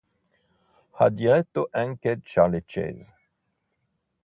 Ha diretto anche Charley Chase.